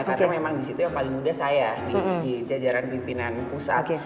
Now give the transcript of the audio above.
karena memang disitu yang paling muda saya di jajaran pimpinan pusat